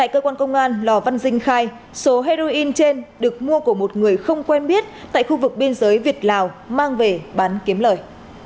cơ quan công an lò văn dinh khai số heroin trên được mua của một người không quen biết tại khu vực biên giới việt lào mang về bán kiếm lời